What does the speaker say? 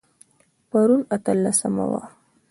پرون اتلسمه وه